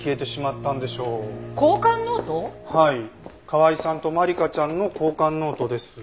川井さんと万理華ちゃんの交換ノートです。